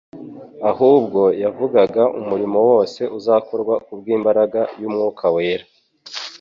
ahubwo yavugaga umurimo wose uzakorwa kubw'imbaraga y'Umwuka wera.